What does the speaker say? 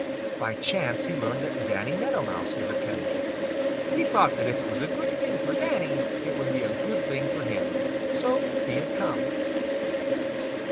By chance he learned that Danny Meadow Mouse was attending. He thought that if it was a good thing for Danny it would be a good thing for him, so he had come.